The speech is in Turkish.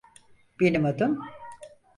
Benim adım…